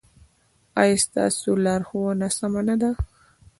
ایا ستاسو لارښوونه سمه نه ده؟